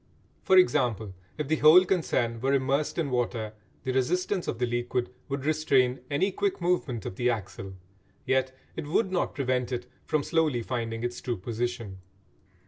For example, if the whole concern were immersed in water the resistance of the liquid would restrain any quick movement of the axle, yet it would not prevent it from slowly finding its true position.